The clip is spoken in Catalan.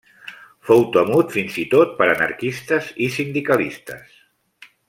Fou temut fins i tot per anarquistes i sindicalistes.